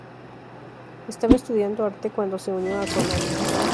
Estaba estudiando arte cuando se unió a Konami.